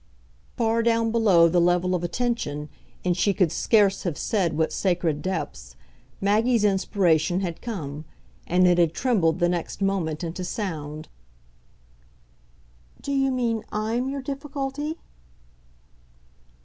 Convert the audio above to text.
Far down below the level of attention, in she could scarce have said what sacred depths, Maggie's inspiration had come, and it had trembled the next moment into sound. "Do you mean I'M your difficulty?"